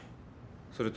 それと。